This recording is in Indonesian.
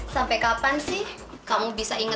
jangan pernah lagi deketin gue